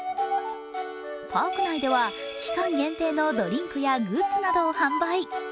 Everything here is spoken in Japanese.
パーク内では期間限定のドリンクやグッズなどを販売。